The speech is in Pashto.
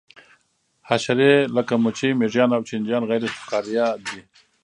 حشرې لکه مچۍ مېږیان او چینجیان غیر فقاریه دي